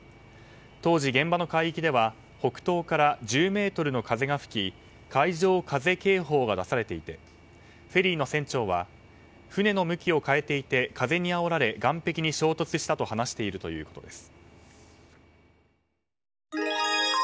当時、現場の海域では北東から１０メートルの風が吹き海上風警報が出されていてフェリーの船長は船の向きを変えていて風にあおられ岸壁に衝突したと話しているということです。